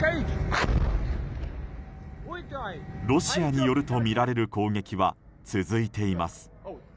ロシアによるとみられる攻撃は続いています。